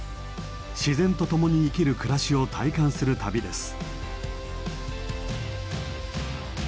自然と共に生きる暮らしを体感する旅です。